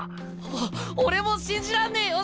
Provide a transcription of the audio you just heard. お俺も信じらんねえよ